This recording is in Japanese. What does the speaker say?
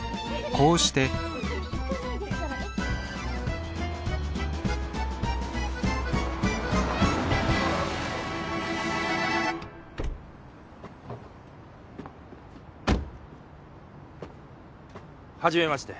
こうしてはじめまして。